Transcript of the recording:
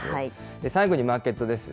最後にマーケットです。